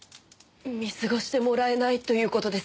見過ごしてもらえないという事ですか？